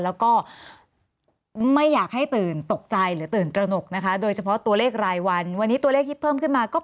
แล้วก็ไม่อยากให้ตื่นตกใจหรือตื่นกระหนก